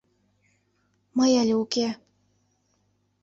Мый але уке.